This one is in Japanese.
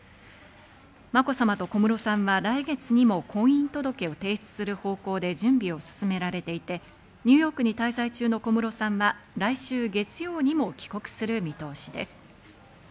まこさまと小室さんは来月にも婚姻届を提出する方向で準備を進められていて、ニューヨークに滞在中の小室さんは来週月曜にも帰国する見通しです。